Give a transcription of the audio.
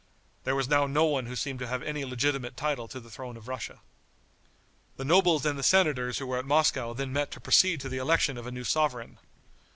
There was now no one who seemed to have any legitimate title to the throne of Russia. The nobles and the senators who were at Moscow then met to proceed to the election of a new sovereign.